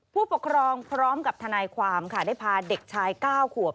ผู้ปกครองพร้อมกับทนายความค่ะได้พาเด็กชาย๙ขวบ